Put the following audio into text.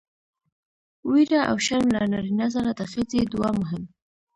ويره او شرم له نارينه سره د ښځې دوه مهم